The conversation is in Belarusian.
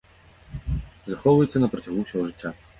Захоўваецца на працягу ўсяго жыцця.